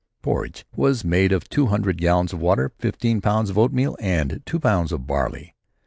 Porridge was made of two hundred gallons of water, fifteen pounds of oatmeal and two pounds of barley.